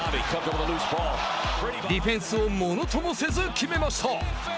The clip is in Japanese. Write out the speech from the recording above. ディフェンスをものともせず決めました。